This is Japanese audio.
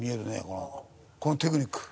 このテクニック！